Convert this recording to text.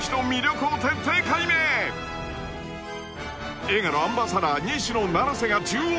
［映画のアンバサダー西野七瀬が縦横無尽に飛び回る！］